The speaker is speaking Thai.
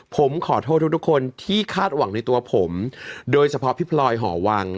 ผมขอโทษทุกคนที่คาดหวังในตัวผมโดยเฉพาะพี่พลอยหอวัง